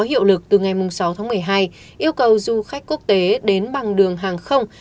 hiệu lực từ ngày sáu tháng một mươi hai yêu cầu du khách quốc tế đến bằng đường hàng không